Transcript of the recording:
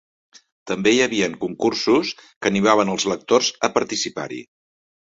També hi havien concursos que animaven als lectors a participar-hi.